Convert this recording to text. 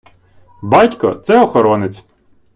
Батько – це охоронець.